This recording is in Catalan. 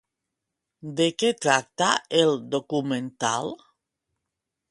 De què tracta el documental?